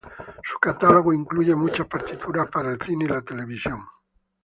Su catálogo incluye muchas partituras para el cine y la televisión.